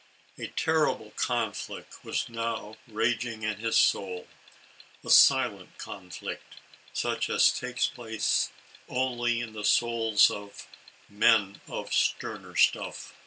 A terrible conflict was now raging in his soul, a silent conflict, such as takes place only in the souls of "men of sterner stuff."